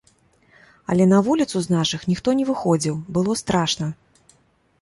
Але на вуліцу з нашых ніхто не выходзіў, было страшна.